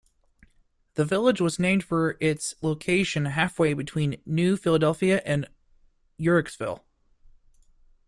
The village was named for its location halfway between New Philadelphia and Uhrichsville.